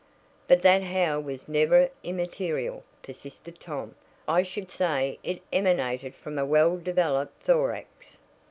"But that howl was never immaterial," persisted Tom. "I should say it emanated from a well developed thorax."